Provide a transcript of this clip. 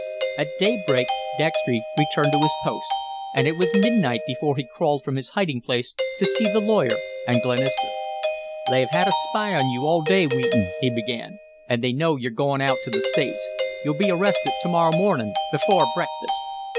At daybreak Dextry returned to his post, and it was midnight before he crawled from his hiding place to see the lawyer and Glenister. "They have had a spy on you all day, Wheaton," he began, "and they know you're going out to the States. You'll be arrested to morrow morning before breakfast."